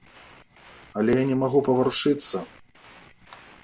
Але я не магу паварушыцца.